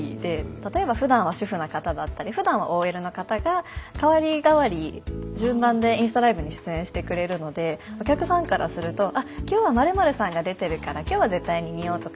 例えばふだんは主婦の方だったりふだんはＯＬの方が代わり代わり順番でインスタライブに出演してくれるのでお客さんからするとあ今日は○○さんが出てるから今日は絶対に見ようとか。